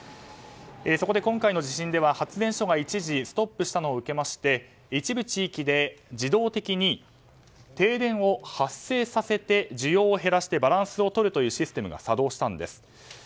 そこで今回の地震では発電所が一時ストップしたのを受けまして一部地域で自動的に停電を発生させて需要を減らしてバランスをとるというシステムが作動したんです。